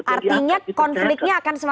artinya konfliknya akan semakin